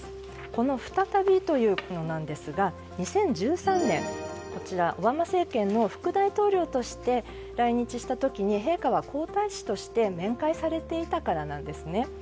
この再びということなんですが２０１３年オバマ政権の副大統領として来日した時に陛下は皇太子として面会されていたからなんですね。